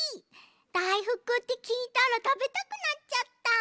だいふくってきいたらたべたくなっちゃった。